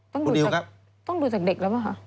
ต้องดูจากเด็กแล้วหรือเปล่า